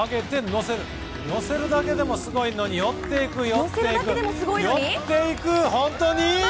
乗せるだけでもすごいのに寄っていく寄っていく寄っていく本当に？